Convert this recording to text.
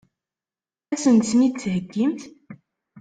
Ad sen-ten-id-theggimt?